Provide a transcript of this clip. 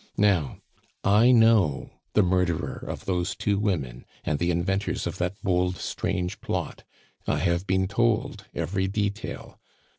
"Now, I know the murderer of those two women and the inventors of that bold, strange plot; I have been told every detail.